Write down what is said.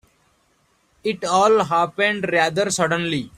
It all happened rather suddenly.